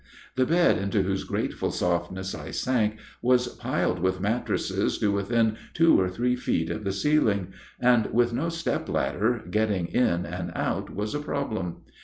The bed into whose grateful softness I sank was piled with mattresses to within two or three feet of the ceiling; and, with no step ladder, getting in and out was a problem.